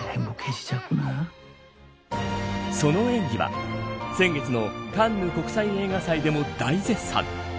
その演技は先月のカンヌ国際映画祭でも大絶賛。